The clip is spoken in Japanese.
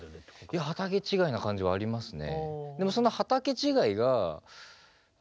いや畑違いな感じはありますね。